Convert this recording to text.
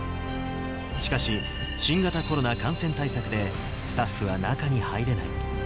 しかし、新型コロナ感染対策で、スタッフは中に入れない。